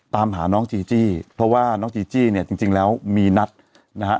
ตามหาน้องจีจี้เพราะว่าน้องจีจี้เนี่ยจริงแล้วมีนัดนะฮะ